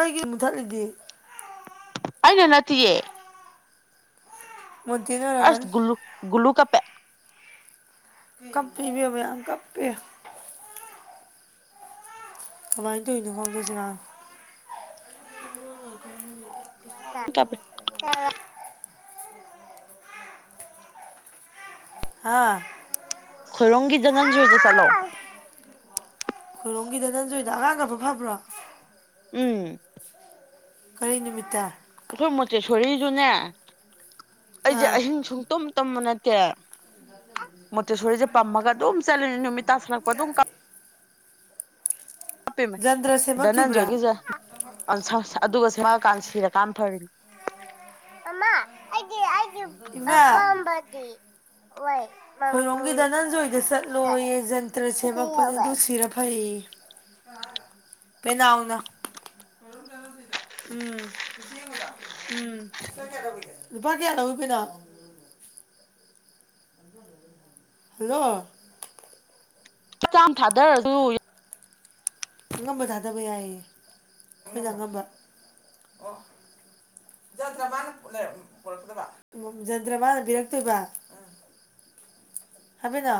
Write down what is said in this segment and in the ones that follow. ꯑꯩꯒꯤ ꯃꯨꯊꯠꯂꯤꯗꯤ ꯑꯩꯅ ꯅꯠꯇꯌꯦ ꯃꯣꯟꯇꯦꯅ ꯑꯔꯊ ꯑꯣꯏꯔꯝꯒꯅꯤ ꯨ ꯒꯂꯨ ꯀ ꯄꯦꯛ ꯀꯞꯄꯤꯕꯤꯕ ꯀꯞꯀꯦ ꯊꯃꯥꯏꯗꯅ ꯐꯗꯗꯅ [inaudible] ꯍꯥꯥ ꯈꯔꯒꯤ ꯅꯟꯖꯗ ꯆꯂꯣ ꯈꯣꯏꯔꯣꯒꯤꯗ ꯅꯟꯖꯣꯏꯗ ꯑꯉꯥꯡ ꯈꯕꯨ ꯐꯕ꯭ꯔꯣ ꯎꯝ ꯀꯔꯤ ꯅꯨꯃꯤꯠꯇ ꯑꯩꯈꯣꯏ ꯃꯣꯇꯦꯁꯣꯔꯤꯁꯨꯅꯦ ꯑꯩꯁꯦ ꯑꯥ ꯑꯍꯤꯡ ꯁꯨꯡꯇꯨꯝ ꯇꯝꯕ ꯅꯠꯇꯦ ꯃꯣꯇꯦꯁꯣꯔꯤꯁꯦ ꯄꯝꯃꯒ ꯑꯗꯨꯝ ꯆꯠꯂꯨꯅꯤ ꯅꯨꯃꯤꯠ ꯇꯥꯥꯁꯜꯂꯛꯄ ꯑꯗꯨꯝ ꯍꯥꯞꯄꯤꯃꯦ ꯖꯟꯇ꯭ꯔ ꯁꯦꯝꯃꯛꯈꯤꯕ꯭ꯔꯥ ꯙꯅꯟꯖꯣꯏꯒꯤꯁꯦ ꯑꯗꯨꯒ ꯀꯁꯤꯔꯀꯥ ꯐꯔꯤ ꯃꯃ ꯑꯩ ꯏꯃꯥ ꯑꯄꯥ ꯑꯝꯕꯗꯤ ꯋꯥꯏ ꯈꯣꯏꯔꯣꯝꯒꯤ ꯅꯟꯖꯣꯏꯗ ꯆꯠꯂꯣꯏꯌꯦ ꯖꯟꯇ꯭ꯔ ꯁꯦꯝꯃꯛꯄꯅꯦ ꯑꯗꯨ ꯁꯤꯔ ꯐꯩꯌꯦ ꯄꯅꯎꯅ ꯎꯝ ꯎꯝ ꯅꯨꯄꯥ ꯀꯌꯥꯅꯕꯨꯕꯅ ꯍ ꯍꯜꯂꯣ ꯆꯆꯥꯝ ꯊꯥꯗꯔꯁꯨ ꯑꯉꯝꯕ ꯊꯥꯗꯕ ꯌꯥꯏꯌꯦ ꯅꯣꯏꯅ ꯑꯉꯝꯕ ꯖꯟꯇ꯭ꯔ ꯃꯥꯅ ꯄꯤꯔꯛꯇꯣꯏꯕ ꯍꯥꯏꯕꯤꯗ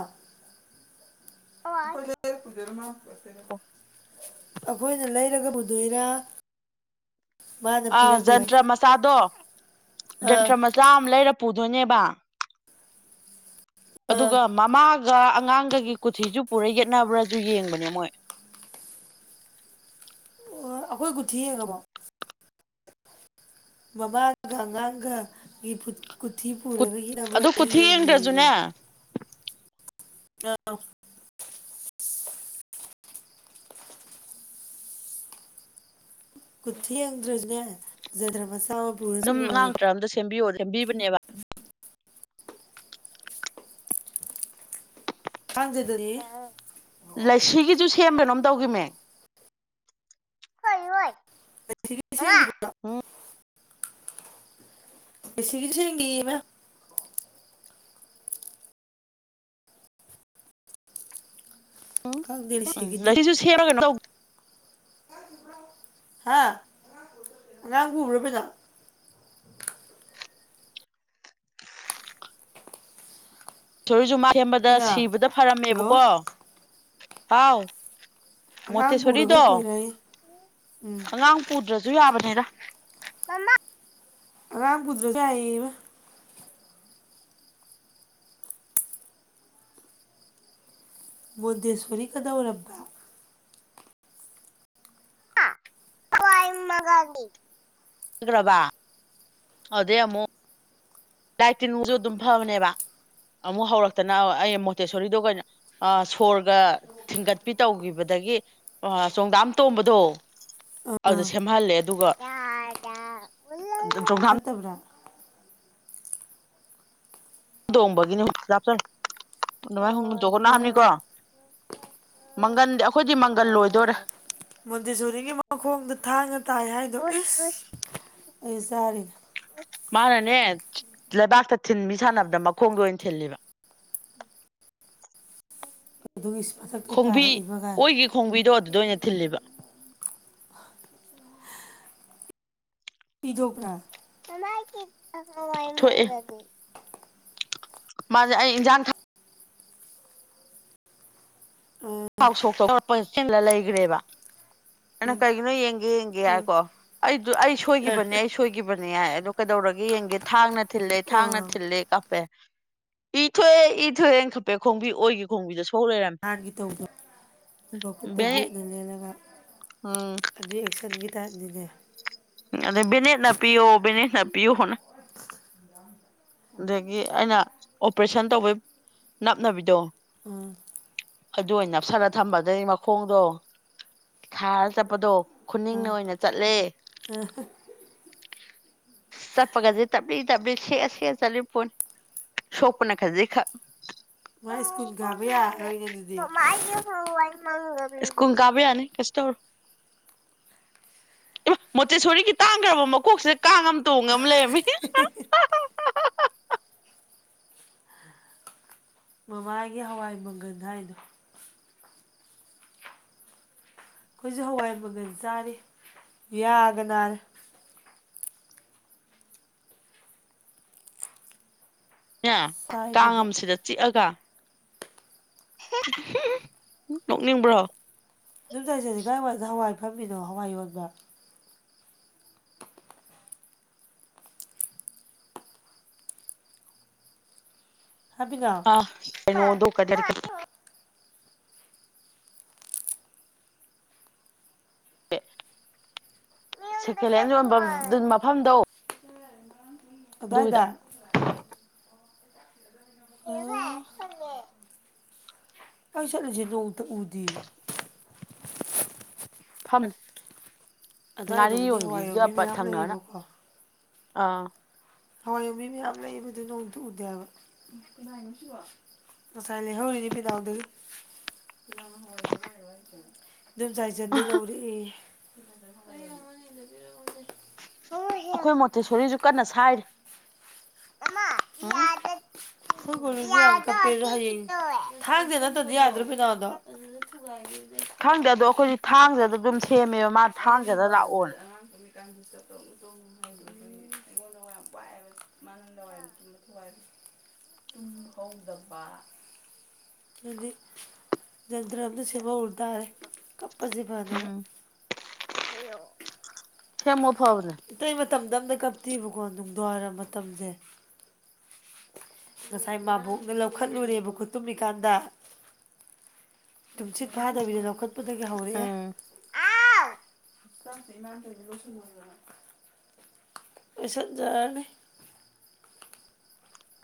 ꯑ ꯂꯩ ꯄꯨꯖꯔꯃ ꯑꯩꯈꯣꯏꯅ ꯂꯩꯔꯒꯕꯨꯗꯣꯏꯔꯥ ꯑꯥ ꯖꯟꯇ꯭ꯔ ꯃꯆꯥꯗꯣ ꯑꯥ ꯖꯟꯇ꯭ꯔ ꯃꯆꯥ ꯑꯃ ꯂꯩꯔ ꯄꯨꯗꯣꯏꯅꯦꯕ ꯑꯥ ꯑꯗꯨꯒ ꯃꯃꯥꯒ ꯑꯗꯨꯒ ꯑꯉꯥꯡꯒꯒꯤ ꯀꯣꯊꯤꯁꯨ ꯄꯨꯔ ꯌꯦꯠꯅꯕ꯭ꯔꯁꯨ ꯌꯦꯡꯕꯅꯦ ꯃꯣꯏ ꯑꯩꯈꯣꯏ ꯀꯨꯊꯤ ꯌꯦꯡ ꯉꯥ ꯕꯣ ꯃꯃꯥꯒ ꯑꯉꯥꯡꯒꯒꯤ ꯀꯨꯊꯤ ꯄꯨꯔꯒ ꯑꯗꯨ ꯌꯦꯡꯅꯕ꯭ꯔꯁꯨ ꯀꯊꯦꯡꯗ꯭ꯔꯁꯨꯅꯦ ꯑ ꯀꯨꯔꯊꯤꯗ꯭ꯔꯅꯦ ꯗ꯭ꯔꯁꯤ ꯑꯗꯨꯝ ꯉꯥꯡꯗ꯭ꯔ ꯑꯝꯗ ꯁꯦꯝꯕꯤꯌꯣ ꯁꯦꯝꯕꯤꯕꯅꯦꯕ ꯊꯥꯡꯖꯗꯅꯤ ꯂꯁꯤꯒꯤ ꯁꯦꯝꯕꯅꯣꯝ ꯇꯧꯈꯤꯕꯅꯦ ꯍꯣꯏ ꯁꯤ ꯌꯦꯤꯣ ꯏ ꯁꯤꯒꯤꯗꯤ ꯆꯪꯒꯤ ꯈꯪꯗꯦ ꯂꯤꯁꯤꯒꯤꯗꯤ ꯎꯁꯨ ꯁꯦꯔ ꯍꯥ ꯑ ꯕ꯭ꯔꯕꯖ ꯁꯔꯤꯁꯨ ꯃꯥ ꯁꯦꯝꯕꯗ ꯄꯦꯅꯥ ꯁꯤꯕꯗ ꯍꯜꯂꯣ ꯐꯔꯝꯃꯦꯕꯀꯣ ꯍꯥꯎ ꯃꯣꯠꯇꯦ ꯑꯉꯥꯡ ꯄꯨꯔꯒ ꯁꯣꯔꯤꯗꯣ ꯆꯠꯇꯣꯏꯔꯌꯦ ꯎꯝ ꯑꯉꯥꯡ ꯄꯨꯗ꯭ꯔ ꯖ ꯌꯥꯕꯅꯤ ꯔꯝꯀꯨꯗꯔ ꯆꯏꯕ ꯃꯣꯟꯗꯦꯁꯣꯔꯤ ꯀꯗꯧꯔꯕ ꯕ ꯑꯗꯨꯦꯃꯣ ꯂꯥꯏ ꯇꯤꯟꯅꯨꯡꯁꯨ ꯑꯗꯨꯝ ꯐꯕꯅꯦꯕ ꯑꯃꯨꯛ ꯍꯧꯔꯛꯇꯅ ꯑꯩ ꯃꯣꯇꯦꯁꯣꯔꯤꯗꯣ ꯑꯩꯈꯩꯅꯣ ꯁꯣꯔꯒ ꯊꯤꯡꯒꯠꯄꯤ ꯇꯧꯈꯤꯕꯗ ꯑꯗꯒꯤ ꯆꯣꯡꯗꯥꯝ ꯇꯣꯝꯕꯗꯣ ꯑꯗꯨꯗ ꯑꯥ ꯁꯦꯝꯍꯜꯂꯦ ꯑꯗꯨꯒ ꯆꯣꯡꯊꯥꯝ ꯐꯠꯇꯕ꯭ꯔꯥ ꯇꯣꯡꯕꯒꯤꯅꯤꯥꯞꯆꯔ ꯅꯣꯡꯃꯥꯏ ꯍꯨ ꯇꯣꯡꯈ ꯑꯣ ꯝꯅꯤꯀꯣ ꯃꯪꯒꯟꯗꯤ ꯑꯩꯈꯣꯏꯗꯤ ꯃꯪꯒꯜ ꯂꯣꯏꯗꯣꯏꯣꯔꯦ ꯃꯨꯗꯦꯁꯣꯔꯤꯒꯤ ꯃꯈꯣꯡꯗ ꯊꯥꯡꯅ ꯇꯥꯏ ꯍꯥꯏꯗꯣ ꯏꯁ ꯑꯩ ꯆꯥꯔꯤꯦ ꯃꯥꯅꯅꯦ ꯂꯩꯕꯥꯛꯇ ꯊꯤꯟ ꯃꯤ ꯁꯥꯟꯅꯕꯗ ꯃꯈꯣꯡꯒꯤ ꯑꯣꯏꯅ ꯊꯤꯜꯂꯤꯕ [unintelligible] ꯑꯗꯨꯒꯤ ꯃꯊꯛꯇꯩ ꯈꯣꯡꯕꯤ ꯇꯥꯔꯛꯏꯕ ꯒꯥꯏ ꯑꯣꯏꯈꯤ ꯈꯣꯡꯕꯤꯗꯣ ꯑꯗꯨꯗ ꯑꯣꯏꯅ ꯊꯤꯜꯂꯤꯕ ꯆꯤꯖꯣꯄ꯭ꯔ ꯥꯏ ꯋꯥꯦ ꯃꯥꯖ ꯑꯩ ꯏꯖꯥꯟ ꯈ ꯜꯂ ꯂꯩꯈ꯭ꯔꯦꯕ ꯑꯩꯅ ꯀꯩꯒꯤꯅꯣ ꯌꯦꯡꯒꯦ ꯌꯦꯡꯒꯦ ꯍꯥꯏꯀꯣ ꯑꯩꯗ ꯑꯩ ꯁꯣꯏꯈꯤꯕꯅꯤ ꯑꯩ ꯁꯣꯏꯈꯤꯕꯅꯤ ꯌꯥꯏ ꯑꯗꯨ ꯀꯩꯗꯧꯔꯒꯦ ꯌꯦꯡꯒꯦ ꯊꯥꯡꯅ ꯊꯤꯜꯂꯦ ꯊꯥꯡꯅ ꯑꯣ ꯊꯤꯜꯂꯦ ꯀꯞꯄꯦ ꯏ ꯊꯣꯛꯑꯦ ꯏ ꯊꯣꯛꯑꯦꯅ ꯈꯄꯦ ꯈꯣꯡꯕꯤ ꯑꯣꯏꯒ ꯈꯣꯡꯕꯤꯗꯁꯨ ꯍꯥꯏꯒꯤ ꯇꯧꯗ ꯚꯕꯨꯨ ꯕꯦꯅꯦꯠ ꯇꯕ꯭ꯂꯦꯠꯗꯨ ꯂꯦꯜꯂꯒ ꯑꯗꯨ ꯑꯦꯛꯁꯟꯒꯤ ꯇꯥꯏ ꯑꯗꯨꯒꯦ ꯑꯗ ꯕꯤꯅꯦꯠ ꯅ ꯄꯤꯌꯣ ꯕꯤꯅꯦꯠ ꯅ ꯄꯤꯌꯣ ꯍꯅ ꯑꯗꯒꯤ ꯑꯩꯅ ꯑꯣꯄꯔꯦꯁꯟ ꯇꯧꯕꯩ ꯅꯞꯅꯕꯤꯗꯣ ꯎꯝ ꯑꯗꯨ ꯑꯣꯏꯅ ꯅꯞꯁꯜꯂꯒ ꯊꯝꯕꯗꯩ ꯃꯈꯣꯡꯗꯣ ꯈꯥꯔ ꯆꯠꯄꯗꯣ ꯈꯨꯅꯤꯡꯅ ꯑꯣꯏꯅ ꯆꯠꯂꯦ ꯑ ꯆꯠꯄꯒꯁꯦ ꯇꯞꯂꯤ ꯇꯞꯂꯤ ꯁꯦꯑ ꯁꯦ ꯆꯠꯂꯤ ꯐꯣꯅꯤ ꯁꯣꯄꯅ ꯈꯖꯤꯦ ꯈ ꯃꯥ ꯁ꯭ꯀꯨꯜ ꯀꯥꯕ ꯌꯥꯔꯔꯣꯏꯅꯦ ꯑꯗꯨꯗꯤ ꯀꯨꯨꯝ ꯀꯥꯕ ꯌꯥꯅꯤ ꯀꯁꯇꯔ ꯏꯕ ꯃꯣꯆꯦꯁꯣꯔꯤꯒꯤ ꯇꯥꯡꯈ꯭ꯔꯕ ꯃꯀꯣꯛꯁꯤꯗ ꯀꯥꯡ ꯑꯃ ꯇꯣꯡ ꯑꯃ ꯂꯩꯔꯝꯃꯤ ꯃꯃꯥꯒꯤ ꯍꯋꯥꯏ ꯃꯪꯒꯟ ꯍꯥꯏꯅꯣ ꯑꯩꯈꯣꯏꯁꯨ ꯍꯋꯥꯏ ꯃꯪꯒ ꯆꯥꯔꯤ ꯌꯥꯒ ꯅꯥꯔꯦ ꯑꯦ ꯆꯥꯏꯕꯗ ꯀꯥꯡꯝꯁꯤꯗ ꯆꯤꯛꯑꯒ ꯅꯣꯛꯅꯤꯡꯕ꯭ꯔꯣ ꯖꯩꯁꯗꯤ ꯀꯥꯏ ꯋꯥꯗ ꯍꯋꯥꯏ ꯐꯝꯃꯤꯅꯣ ꯍꯋꯥꯏ ꯌꯣꯟꯕ꯭ꯔ ꯍꯥꯏꯕꯤꯅꯣ ꯑ ꯀꯗ ꯀꯔ ꯁꯦꯀꯦꯟ ꯍꯦꯟ ꯌꯣꯟꯕ ꯃꯐꯝꯗꯣ ꯑꯗꯨꯚꯥꯏꯗꯗꯥ ꯑꯗꯨꯒꯤꯗ ꯑꯣ ꯀꯩꯁꯠꯂꯁꯤ ꯅ ꯎ ꯎꯗꯤ ꯐꯝꯅꯤ ꯉꯥꯔꯤ ꯑꯗꯥꯏꯗꯕꯨꯗꯤ ꯍꯋꯥꯏ ꯌꯣꯟꯕꯤ ꯌꯣꯟꯕꯤꯒꯞꯄ ꯃꯌꯥꯝ ꯊꯪꯅꯅ ꯂꯩꯌꯦꯕꯀꯣ ꯑꯥ ꯍꯋꯥꯏ ꯌꯕꯤ ꯃꯌꯥꯝ ꯂꯩꯕ ꯑꯗꯨ ꯅꯣꯡꯗ ꯎꯗꯦ ꯍꯥꯏꯕ ꯐꯁꯥꯏꯜꯂꯤ ꯍꯧꯔꯤꯅꯤ ꯄꯤꯗꯥ ꯑꯣꯗ ꯝꯆꯥꯏꯖꯟꯗꯒꯤꯩ ꯂꯧꯔꯛꯏ ꯑꯩꯈꯣꯏ ꯃꯣꯊꯦꯁꯣꯔꯤꯁꯨ ꯀꯟꯅ ꯁꯥꯏꯔꯤꯦ ꯑ ꯑꯩꯈꯣꯏ ꯒꯨꯔꯨꯁꯨ ꯌꯥꯝ ꯀꯞꯄꯦꯁꯨ ꯍꯌꯦꯡ ꯊꯥꯡꯗꯦ ꯅꯠꯇ꯭ꯔꯗꯤ ꯌꯥꯗ꯭ꯔꯣ ꯄꯩꯅꯥꯗꯣ ꯈꯪꯗꯦ ꯑꯗꯣ ꯑꯩꯈꯣꯏꯗꯤ ꯊꯥꯡꯖꯗ ꯑꯗꯨꯝ ꯁꯦꯝꯃꯦꯕ ꯃꯥꯅ ꯊꯥꯡꯖꯗ ꯂꯥꯛꯑꯣꯅꯦ ꯀꯥꯡꯕꯨ ꯆ ꯇꯧ ꯇꯣꯡ ꯍ ꯑꯩꯉꯣꯟꯗ ꯌꯥꯝ ꯋꯥꯏꯑꯦꯕ ꯃꯥꯅꯗꯋꯥꯏꯕ ꯆꯨꯝꯅ ꯊꯨꯋꯥꯏꯕꯁꯦ ꯇꯨꯡꯍꯧꯗꯕ ꯀꯗꯤ ꯗ꯭ꯔꯗ ꯁꯤꯃ ꯎꯔꯗꯥ ꯀꯞꯄꯁꯦ ꯐꯗꯕ ꯍꯦ ꯃ ꯐꯥꯎꯅꯦ ꯑꯇꯩ ꯃꯇꯝꯗ ꯑꯃꯇ ꯀꯞꯄꯤꯤꯕꯀꯣ ꯅꯨꯡꯗꯋꯥꯏꯔ ꯃꯇꯝꯁꯦ ꯉꯁꯥꯏ ꯃꯥꯕꯣꯛꯅ ꯂꯧꯈꯠꯂꯨꯔꯦꯕ ꯈꯨꯠꯇꯨꯝꯃꯤꯀꯥꯟꯗ ꯅꯨꯡꯁꯤꯤꯠ ꯐꯥꯗꯕꯤꯗ ꯂꯧꯈꯠꯄꯗꯒꯤ ꯍꯧꯔꯛꯑꯦ ꯎꯝ ꯆꯁ ꯏꯃꯥꯟꯗꯅ ꯂꯁꯗꯣ ꯂꯣꯏꯁꯤꯟꯅꯖꯔꯅꯤ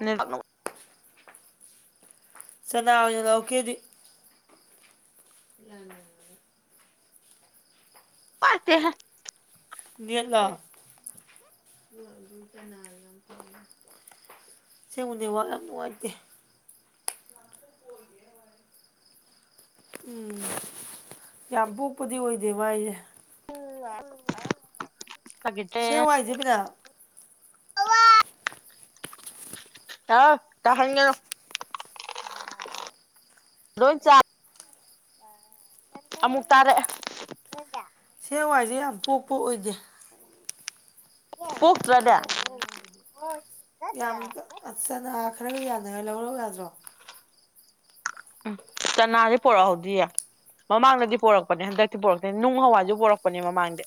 ꯅꯥꯛ ꯆꯅꯥ ꯑꯣꯏꯅ ꯂꯧꯀꯦꯗꯤ ꯏ ꯄꯔꯇ ꯍꯥꯏ ꯅꯂ ꯁꯤꯦꯡꯕꯨꯅꯦꯕ ꯌꯥꯝ ꯅꯨꯡꯉꯥꯏꯇꯦ ꯎꯝ ꯌꯥꯝ ꯄꯣꯛꯄꯗꯤ ꯑꯣꯏꯗꯦꯕ ꯑꯩꯁꯦ ꯎ ꯁꯦꯋꯥꯏꯗꯦꯕꯤꯗ ꯑꯋꯥꯏ ꯑ ꯇꯥ ꯍꯪꯒꯅꯣ ꯂꯣꯏ ꯆ ꯑꯃꯨꯛ ꯇꯥꯔꯦꯑꯦ ꯍꯦꯋꯥꯏꯁꯦ ꯌꯥꯝ ꯄꯣꯛꯄ ꯑꯣꯏꯗꯦ ꯀꯣꯛꯣꯛ ꯔꯗ ꯌꯥꯝꯅ ꯈꯔꯒ ꯌꯥꯅꯔ ꯂꯧꯔꯣ ꯌꯥꯗ꯭ꯔꯣ ꯆꯅꯥꯗꯤ ꯄꯣꯂ ꯍꯧꯗꯤ ꯃꯃꯥꯡꯗꯗꯤ ꯄꯣꯔꯛꯄꯅꯦ ꯍꯟꯗꯛꯇꯤ ꯄꯣꯔꯛꯇꯅꯤ ꯅꯨꯡ ꯍꯋꯥꯏꯁꯨ ꯄꯣꯔꯛꯄꯅꯦ ꯃꯃꯥꯡꯗ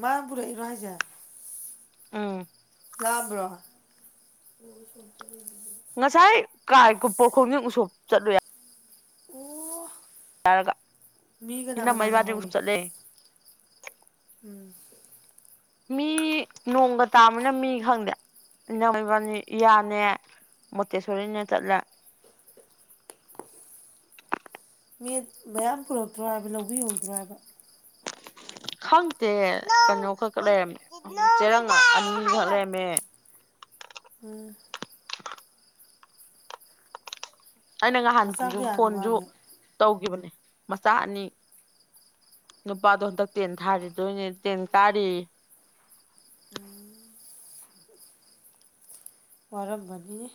ꯃ ꯄꯨꯔ ꯏꯔ ꯍꯥꯏꯖꯔ ꯑꯥ ꯂꯥꯕ꯭ꯔꯣ ꯉꯁꯥꯏ ꯀꯥꯏ ꯄꯣꯔꯈꯣꯡꯖꯤꯤꯡ ꯎꯁꯣꯞ ꯆꯠꯂꯨ ꯌꯥꯏ ꯑꯣ ꯌꯥꯔꯒ ꯃꯤ ꯀꯅꯥ ꯏꯅꯝ ꯀꯅꯥ ꯃꯩꯕꯥꯗꯒꯁꯨꯨꯞ ꯂꯥꯛꯍꯧꯏ ꯆꯠꯂꯦ ꯎꯝ ꯃꯤ ꯅꯣꯡꯒ ꯇꯥꯕꯅ ꯃꯤ ꯈꯪꯗꯦ ꯅꯪꯃꯤꯕꯅꯤ ꯏꯌꯥꯅꯦ ꯃꯣꯇꯦꯁꯣꯔꯤꯅꯦ ꯆꯠꯂꯦ ꯃꯤ ꯃꯌꯥꯝ ꯄꯨꯔꯛꯇ꯭ꯔꯣ ꯍꯥꯏꯕ ꯂꯧꯕꯤꯍꯧꯗ꯭ꯔꯣ ꯍꯥꯏꯕ ꯈꯪꯗꯦ ꯀꯩꯅꯣ ꯈꯛ ꯂꯩꯔꯝꯃꯦ ꯆꯦꯔꯪ ꯑꯅꯤ ꯈꯛ ꯂꯩꯔꯝꯃꯦ ꯎꯝ ꯑꯩꯅ ꯃꯆꯥ ꯅꯍꯥꯟꯁꯨ ꯀꯌꯥꯅꯣ ꯐꯣꯟꯁꯨ ꯃꯥꯒꯤ ꯇꯧꯈꯤꯕꯅꯦ ꯃꯆꯥ ꯑꯅꯤ ꯅꯨꯄꯥꯗꯣ ꯍꯟꯗꯛ ꯇꯦꯟ ꯊꯥꯔꯤꯗꯣꯏꯅꯦ ꯇꯦꯟ ꯀꯥꯔꯤ ꯎꯝ ꯋꯥꯔꯝꯚꯅꯤꯅꯤ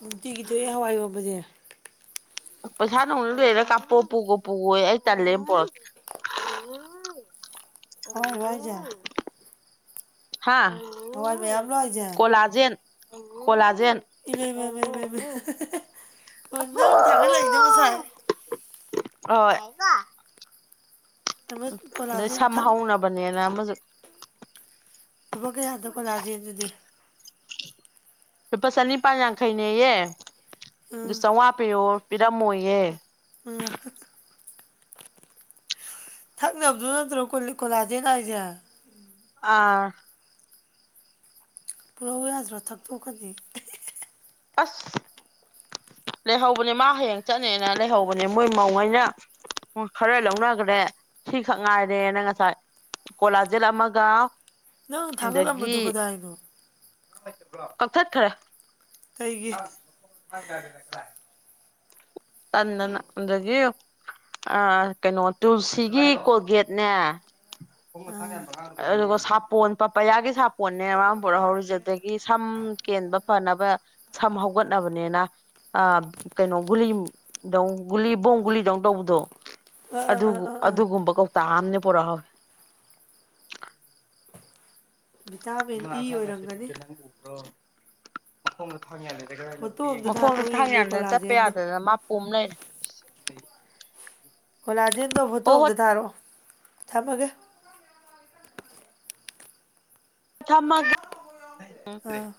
ꯅꯨꯡꯇꯤꯒꯤ ꯊꯣꯛꯑꯦ ꯍꯋꯥꯏ ꯋꯥꯕꯁꯦ ꯄꯩꯁꯥꯗꯧꯅ ꯂꯩꯔꯦ ꯀꯥꯞꯄꯣ ꯄꯨꯈꯣ ꯄꯨꯈꯣꯏ ꯑꯩ ꯇꯜꯂꯦ ꯄꯣꯔꯛꯦ ꯍꯏ ꯍꯣꯏꯖꯥꯛ ꯍꯥ ꯃꯌꯥꯝꯂꯣ ꯍꯥꯏꯁꯦ ꯀꯂꯥꯖ ꯀꯂꯖ ꯏꯕꯦꯝ ꯏꯕ ꯏꯕ ꯏꯕ ꯏꯕ ꯑꯣ ꯅꯪ ꯊꯥꯒꯠꯂꯛꯏꯅꯣ ꯉꯁꯥꯏ ꯑꯣ ꯑꯃ ꯑꯗꯩ ꯀꯣꯂꯥꯖꯦꯟ ꯊꯛ ꯁꯝꯍꯧꯅꯕꯅꯦꯅ ꯑꯃꯁꯨꯛ ꯂꯨꯄꯥ ꯀꯌꯥꯗꯣ ꯀꯣꯂꯥꯁꯦ ꯑꯗꯨꯗꯤ ꯂꯨꯄꯥ ꯆꯅꯤꯄꯥꯥꯟ ꯌꯥꯡꯈꯩꯅꯦꯌꯦ ꯑꯗꯨ ꯎꯝ ꯆꯥꯝꯃꯉꯥ ꯄꯤꯔꯣ ꯄꯤꯔꯝꯃꯣꯏꯌꯦ ꯎꯝ ꯊꯛꯅꯕꯗꯨ ꯅꯠꯇ꯭ꯔꯣꯣ ꯀꯣꯂꯥꯗꯦꯅ ꯑꯩꯏꯁꯦ ꯑꯥ ꯄꯨꯔꯛꯧꯎꯏ ꯌꯥꯗ꯭ꯔꯥ ꯊꯛꯇꯣꯛꯀꯗꯤ ꯑꯁ ꯂꯩꯍꯧꯕꯅꯦ ꯃꯥ ꯍꯌꯦꯡ ꯆꯠꯅꯦꯅ ꯂꯩꯍꯧꯕꯅꯦ ꯃꯣꯏ ꯃꯧꯉꯩꯅ ꯎ ꯈꯔ ꯂꯧꯅꯈ꯭ꯔꯦ ꯁꯤꯈꯛ ꯉꯥꯏꯔꯦꯅ ꯉꯁꯥꯏ ꯀꯣꯂꯥꯖꯦꯜ ꯑꯃꯒ ꯅꯪ ꯊꯥꯒꯠꯂꯝꯕꯗꯨ ꯑꯗꯒꯤ ꯀꯗꯥꯏꯅꯣ ꯀꯛꯊꯠꯈ꯭ꯔꯦ ꯀꯩꯒꯤ ꯇꯗꯅꯒꯣ ꯑ ꯀꯩꯅꯣ ꯇꯨꯜꯁꯤꯒꯤ ꯀꯣꯜꯒꯦꯠꯅꯦ ꯑꯥ ꯑꯗꯨꯒꯣ ꯁꯥꯞꯄꯣ ꯄꯄ ꯌꯥꯒꯦ ꯁꯥꯄ ꯍꯣꯟꯅꯦ ꯃꯥꯡ ꯄꯨꯔꯛꯍꯧꯔꯤꯁꯦ ꯑꯗꯨꯗꯒꯤ ꯁꯝ ꯀꯦꯟꯕ ꯐꯅꯕ ꯁꯝ ꯍꯧꯒꯠꯅꯕꯅꯤꯅ ꯑ ꯀꯩꯅꯣ ꯒꯨꯂꯤ ꯒꯨꯂꯤ ꯕꯣꯡ ꯒꯨꯂꯤꯗꯧ ꯇꯧꯕꯗꯣ ꯑꯥ ꯑꯥ ꯑꯥ ꯑꯥ ꯑꯥ ꯑꯗꯨꯒꯨꯝꯕ ꯀꯧ ꯇ ꯑꯝꯅ ꯄꯣꯔꯥ ꯍ ꯚꯤꯇꯥꯃꯤꯟ ꯏ ꯑꯃꯗꯦ ꯑꯣꯏꯔꯝꯒꯅꯤ ꯇꯗ ꯅꯈ꯭ꯔꯣ ꯐꯣꯇꯣ ꯑꯝꯇ ꯃꯈꯣꯡꯗꯨ ꯊꯥꯔꯛꯑꯣ ꯊꯥꯡ ꯌꯦꯡꯒꯦ ꯌꯥꯟꯗꯅ ꯆꯠꯄ ꯀꯣꯂꯥꯖꯦꯟꯗꯣ ꯌꯥꯗꯗꯅ ꯃꯥ ꯄꯣꯝ ꯂꯩꯔꯦ ꯑꯣꯂꯥꯗꯦꯟꯗꯣ ꯐꯣꯇꯣ ꯍꯣ ꯍꯣꯏ ꯑꯝꯇ ꯊꯥꯔꯛꯑꯣ ꯊꯝꯃꯒꯦ ꯊꯃꯒ ꯑꯥ